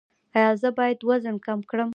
ایا زه باید وزن کم کړم؟